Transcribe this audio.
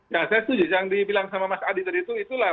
ya saya setuju yang dibilang sama mas adi tadi itu itulah